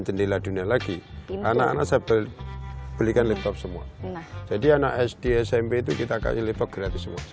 jendela dunia lagi anak anak saya belikan laptop semua jadi anak sd smp itu kita kasih laptop gratis semua